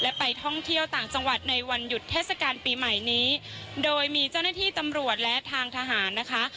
และไปท่องเที่ยวต่างจังหวัดในวันหยุดเทศกาลปีใหม่นี้โดยมีเจ้าหน้าที่ตำรวจและทางทหารนะคะ